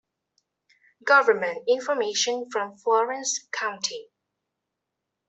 Government Information from Florence County